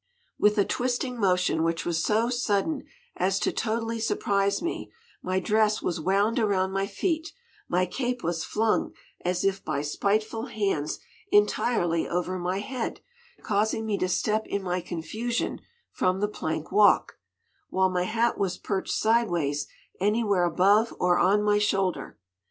With a twisting motion which was so sudden as to totally surprise me, my dress was wound around my feet, my cape was flung as if by spiteful hands entirely over my head, causing me to step in my confusion from the plank walk; while my hat was perched sidewise anywhere above or on my shoulder.